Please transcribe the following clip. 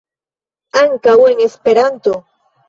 Ankaŭ en Esperanto.